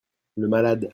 Le malade.